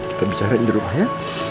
kita bicarain di rumah ya